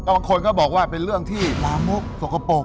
บางคนก็บอกว่าเป็นเรื่องที่ลามกสกปรก